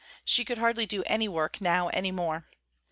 She could hardly do any work now any more.